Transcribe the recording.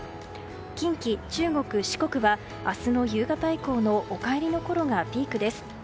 近畿、中国・四国は明日の夕方以降のお帰りのころがピークです。